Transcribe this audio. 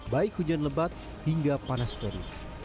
baik hujan lebat hingga panas peri